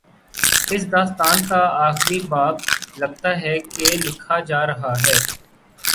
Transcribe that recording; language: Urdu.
اس داستان کا آخری باب، لگتا ہے کہ لکھا جا رہا ہے۔